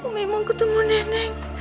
umi mau ketemu nenek